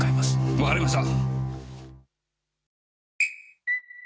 わかりました！